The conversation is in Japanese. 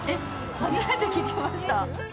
初めて聞きました。